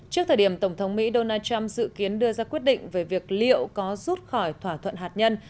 trước thời điểm tổng thống mỹ donald trump dự kiến đưa ra quyết định về việc liệu có rút khỏi thỏa thuận hạt nhân